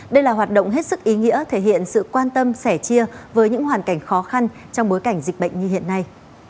đây là hoạt động hết sức ý nghĩa thể hiện sự quan tâm sẻ chia với những hoàn cảnh khó khăn trong bối cảnh dịch bệnh như hiện nay